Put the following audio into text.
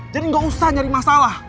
jadi gak usah nyari masalah